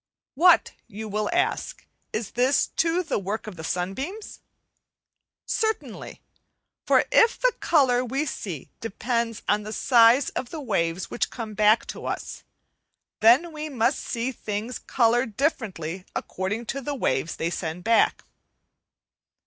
What, you will ask, is this too the work of the sunbeams? Certainly; for if the colour we see depends on the size of the waves which come back to us, then we must see things coloured differently according to the waves they send back.